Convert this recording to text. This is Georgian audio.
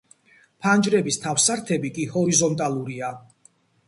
ფანჯრების თავსართები კი ჰორიზონტალურია.